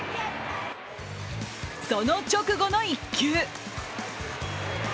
その直後の一球。